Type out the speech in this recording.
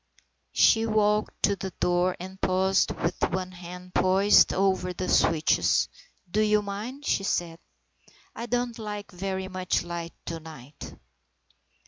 She walked to the door and paused with one hand poised over the switches. " Do you mind ?" she said. " I don't like very much light to night."